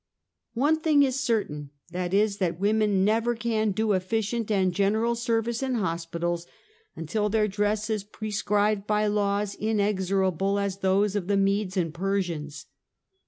One thing is certain, i. e., that women never can do efficient and general service in hospitals until their dress is prescribed by laws inexorable as those of the Modes and Persians.